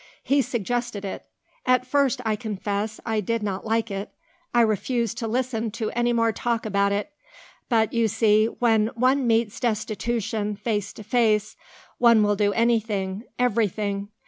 He suggested it. At first, I confess, I did not like it. I refused to listen to any more talk about it. But, you see, when one meets destitution face to face, one will do anything everything.